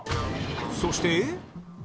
そして